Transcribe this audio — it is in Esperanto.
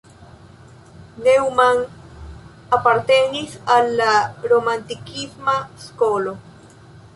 Neumann apartenis al la romantikisma skolo.